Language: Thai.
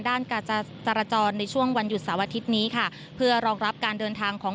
การจราจรในช่วงวันหยุดเสาร์อาทิตย์นี้ค่ะเพื่อรองรับการเดินทางของ